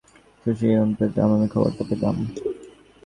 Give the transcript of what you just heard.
খুনি এমনটা করলে আমি খবরটা পেতাম।